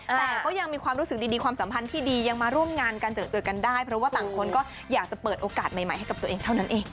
แต่ก็ยังมีความรู้สึกดีความสัมพันธ์ที่ดียังมาร่วมงานกันเจอกันได้เพราะว่าต่างคนก็อยากจะเปิดโอกาสใหม่ให้กับตัวเองเท่านั้นเอง